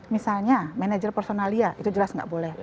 misalnya manajer personalia itu jelas nggak boleh